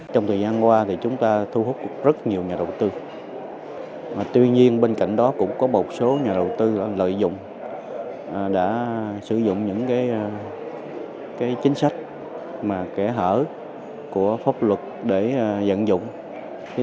trong thời gian qua chúng ta thu hút rất nhiều nhà đầu tư tuy nhiên bên cạnh đó cũng có một số nhà đầu tư lợi dụng đã sử dụng những chính sách kẻ hở của pháp luật để dẫn dụng các dự án luật đầu tư